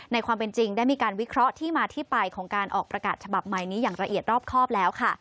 ความเป็นจริงได้มีการวิเคราะห์ที่มาที่ไปของการออกประกาศฉบับใหม่นี้อย่างละเอียดรอบครอบแล้วค่ะ